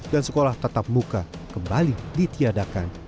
dan sekolah tetap buka kembali ditiadakan